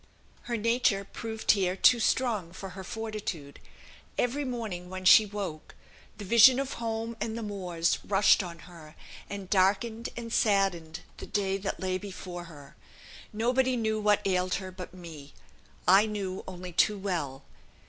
Her nature proved here too strong for her fortitude. Every morning, when she woke, the vision of home and the moors rushed on her, and darkened and saddened the day that lay before her. Nobody knew what ailed her but me. I knew only too well.